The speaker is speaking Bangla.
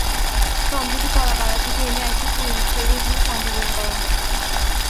সম্প্রতি কলাপাড়া থেকে এনে একটি পুরোনো ফেরি এখানে সংযোজন করা হয়।